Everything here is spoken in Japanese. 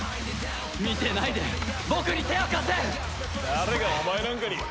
誰がお前なんかに！